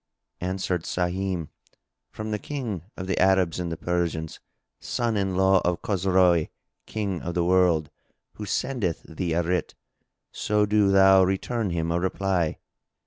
Answered Sahim, "From the King of the Arabs and the Persians, son in law of Chosroë, King of the world, who sendeth thee a writ; so do thou return him a reply."